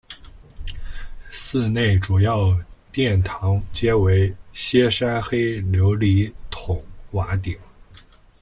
寺内主要殿堂皆为歇山黑琉璃筒瓦顶。